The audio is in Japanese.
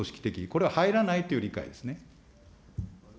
これは入らないという理解ですね。